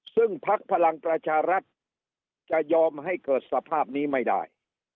ซึ่งพักพลังประชารัฐจะยอมให้เกิดสภาพนี้ไม่ได้